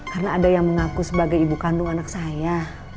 karena ada yang mengaku sebagai ibu kandung anak saya